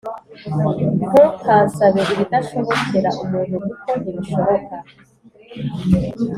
Ntukansabe ibidashobokera umuntu kuko ntibishoboka